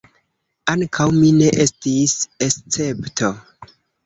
Ankaŭ mi ne estis escepto.